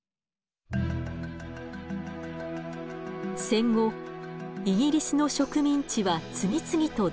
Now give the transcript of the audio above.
戦後イギリスの植民地は次々と独立。